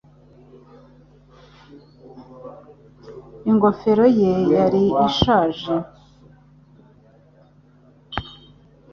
Ingofero ye yari ishaje,